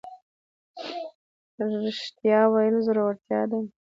رښتیا ویل زړورتیا ده